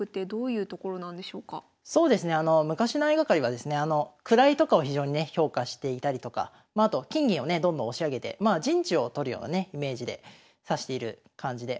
あの昔の相掛かりはですね位とかを非常にね評価していたりとかあと金銀をねどんどん押し上げて陣地を取るようなねイメージで指している感じで。